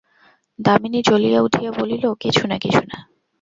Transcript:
দামিনী জ্বলিয়া উঠিয়া বলিল, কিছু না, কিছু না!